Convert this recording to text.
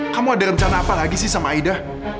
kamu ada rencana apa lagi sih sama aida